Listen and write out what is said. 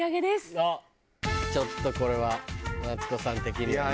あっちょっとこれはマツコさん的にはね。